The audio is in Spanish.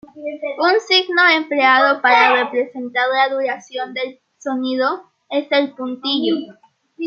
Un signo empleado para representar la duración del sonido es el puntillo.